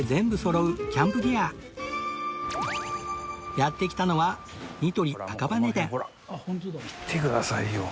やって来たのはほら見てくださいよ。